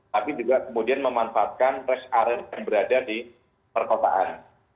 tapi juga kemudian memanfaatkan rest area yang berada di perkotaan